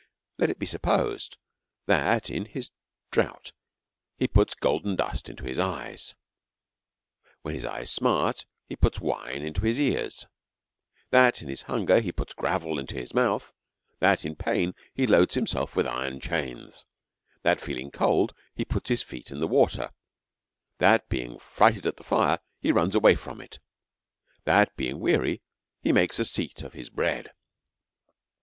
Let it be supposed, that in his draught lie puts golden dust into his eyes; when his eyes sma't, he puts wine into his ears; that in "his hunger he puts gravel in his mouth ; that in pain he loads himself with the iron chains ; that, feeling cold, he puts his feet in the water ; that being frighted at the fire he runs away from it ; that, being weary, he makes a seat of his bread.